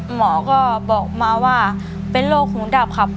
หมอก็บอกมาว่าเป็นโรคหูดับครับ